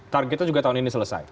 targetnya juga tahun ini selesai